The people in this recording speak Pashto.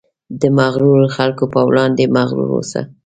د مغرورو خلکو په وړاندې مغرور اوسه.